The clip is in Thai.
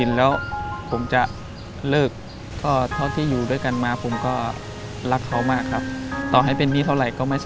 มาเอาใจช่วยโอพยาบาลสาวที่พร้อมจะชดใช้หนี้สินในอดีต